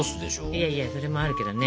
いやいやそれもあるけどね。